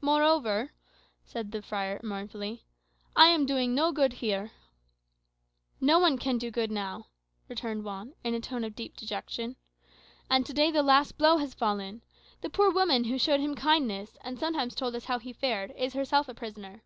"Moreover," said the friar mournfully, "I am doing no good here." "No one can do good now," returned Juan, in a tone of deep dejection. "And to day the last blow has fallen. The poor woman who showed him kindness, and sometimes told us how he fared, is herself a prisoner."